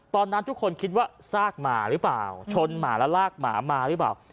ตอนนั้นทุกคนคิดว่าซากหมาหรือเปล่าชนหมาแล้วลากหมามาหรือเปล่า